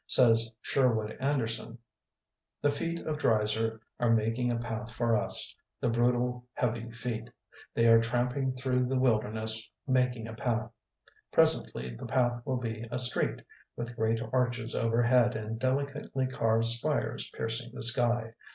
Says Sherwood Anderson: "The feet of Dreiser are making a path for us, the brutal heavy feet. They are tramping through the wil derness, making a path. Presently the path will be a street, with great arches overhead and delicately carved spires piercing the sky.